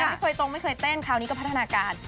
ไม่เคยตรงไม่เคยเต้นคราวนี้ก็พัฒนาการ